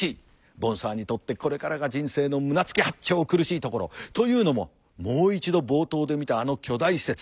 ボンサーにとってこれからが人生の胸突き八丁苦しいところ。というのももう一度冒頭で見たあの巨大施設。